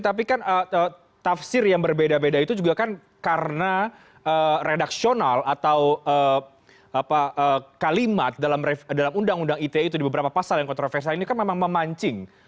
tapi kan tafsir yang berbeda beda itu juga kan karena redaksional atau kalimat dalam undang undang ite itu di beberapa pasal yang kontroversial ini kan memang memancing